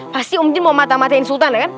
pasti om jin mau mata matain sultan ya kan